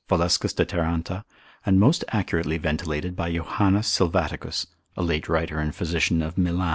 Valescus de Taranta, and most accurately ventilated by Jo. Sylvaticus, a late writer and physician of Milan, med.